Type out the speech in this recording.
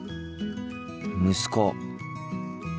息子。